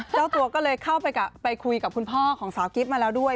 เจ้าตัวก็เลยเข้าไปคุยกับคุณพ่อของสาวกิฟต์มาแล้วด้วย